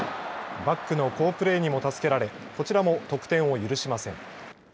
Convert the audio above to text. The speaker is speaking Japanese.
バックの好プレーにも助けられこちらも得点を許しません。